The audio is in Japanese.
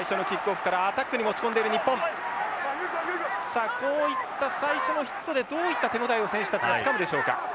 さあこういった最初のヒットでどういった手応えを選手たちがつかむでしょうか。